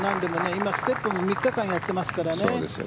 今、ステップも３日間やってますからね。